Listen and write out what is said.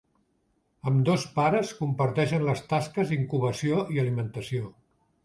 Ambdós pares comparteixen les tasques incubació i alimentació.